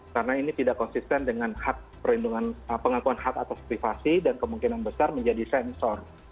karena ini tidak konsisten dengan pengakuan hak atau spivasi dan kemungkinan besar menjadi sensor